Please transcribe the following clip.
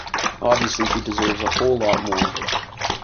Obviously he deserves a whole lot more.